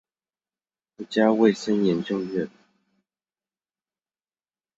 國家衛生研究院